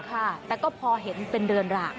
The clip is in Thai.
ค่ะแต่ก็พอเห็นเป็นเรือนหลาก